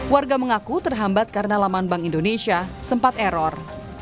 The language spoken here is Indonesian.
warga mengaku terhambat karena laman bank indonesia sempat error